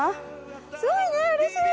すごいね嬉しい！